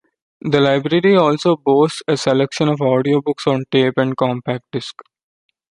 The library also boasts a selection of audiobooks on tape and compact disc.